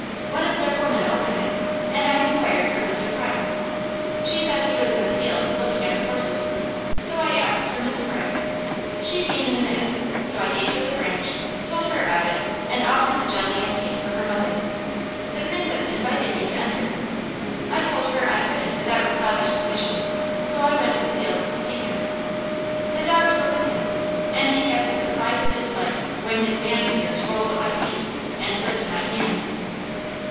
One of their women opened it, and I inquired for Mr. Pryor. She said he was in the field looking at the horses, so I asked for Miss Pryor. She came in a minute, so I gave her the branch, told her about it, and offered the jelly and cake for her mother. The Princess invited me to enter. I told her I couldn't without her father's permission, so I went to the field to see him. The dogs were with him and he had the surprise of his life when his man eaters rolled at my feet, and licked my hands."